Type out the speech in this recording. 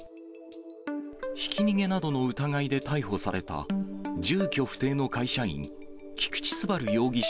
ひき逃げなどの疑いで逮捕された、住居不定の会社員、菊地昴容疑者